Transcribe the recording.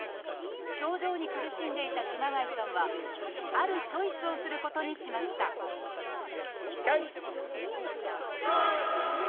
症状に苦しんでいた熊谷さんはあるチョイスをすることにしましたチョイス！